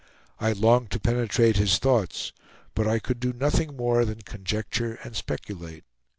I longed to penetrate his thoughts, but I could do nothing more than conjecture and speculate.